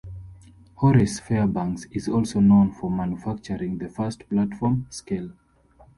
Horace Fairbanks is also known for manufacturing the first platform scale.